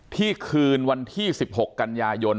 คืนวันที่๑๖กันยายน